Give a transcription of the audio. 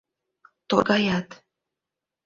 Торгаят.